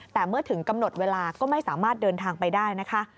แต่เมื่อถึงกำหนดเวลาก็ไม่สามารถเดินทางไปได้นะคะ